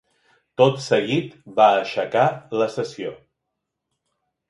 Tot seguit va aixecar la sessió.